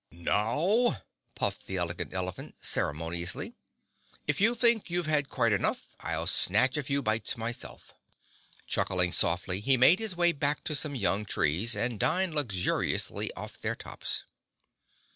"Now," puffed the Elegant Elephant ceremoniously, "if you think you've had quite enough, I'll snatch a few bites myself." Chuckling softly he made his way back to some young trees, and dined luxuriously off their tops.